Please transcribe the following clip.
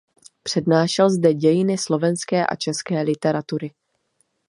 Přednášel zde dějiny slovenské a české literatury.